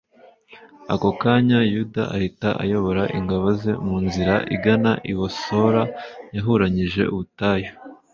ako kanya, yuda ahita ayobora ingabo ze mu nzira igana i bosora, yahuranyije ubutayu